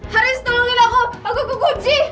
haris tolongin aku aku kepuji